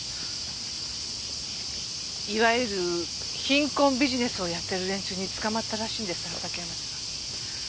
いわゆる貧困ビジネスをやってる連中に捕まったらしいんです畑山さん。